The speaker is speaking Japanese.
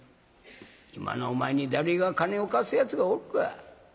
今のお前に誰が金を貸すやつがおるか。